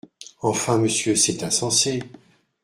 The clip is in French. Enfin, monsieur, c’est insensé !